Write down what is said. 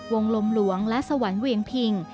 วงลมหลวงและสวรรค์เวียงพิง